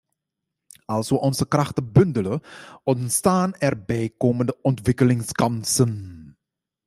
Als wij onze krachten bundelen ontstaan er bijkomende ontwikkelingskansen.